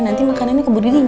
nanti makannya keburi dingin